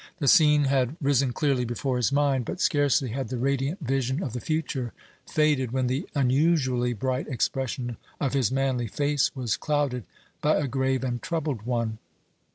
The scene had risen clearly before his mind, but scarcely had the radiant vision of the future faded when the unusually bright expression of his manly face was clouded by a grave and troubled one.